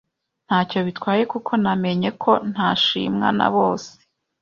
nta cyo bitwaye kuko namenye ko ntashimwa nabose